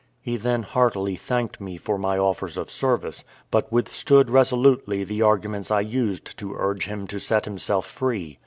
He then heartily thanked me for my offers of service, but withstood resolutely the arguments I used to urge him to set himself free.